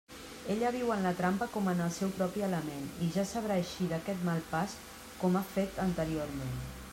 Ella viu en la trampa com en el seu propi element, i ja sabrà eixir d'aquest mal pas com ha fet anteriorment.